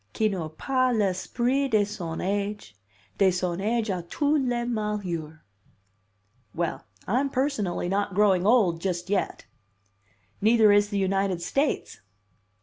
"'Qui no pas l'esprit de son age De son age a tout le malheur.'" "Well, I'm personally not growing old, just yet." "Neither is the United States."